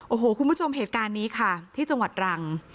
โอ้โหคุณผู้ชมเหตุการณ์นี้ค่ะที่จังหวัดรัง